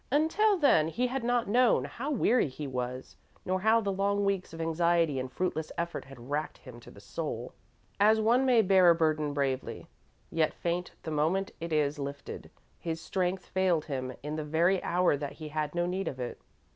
Until then, he had not known how weary he was, nor how the long weeks of anxiety and fruitless effort had racked him to the soul. As one may bear a burden bravely, yet faint the moment it is lifted, his strength failed him in the very hour that he had no need of it.